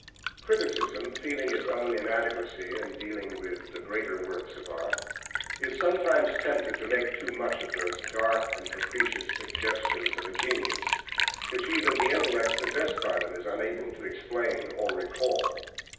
Criticism, feeling its own inadequacy in dealing with the greater works of art, is sometimes tempted to make too much of those dark and capricious suggestions of genius, which even the intellect possessed by them is unable to explain or recall.